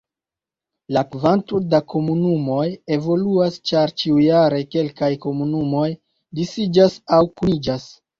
La kvanto da komunumoj evoluas, ĉar ĉiujare, kelkaj komunumoj disiĝas aŭ kuniĝas.